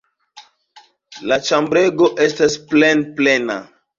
La ĉambrego estas plenplena.